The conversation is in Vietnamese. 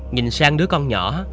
nhìn sang đứa con nhỏ